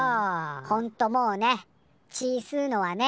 ほんともうね血吸うのはね。